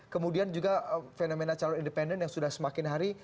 kemudian juga fenomena calon independen yang sudah semakin hari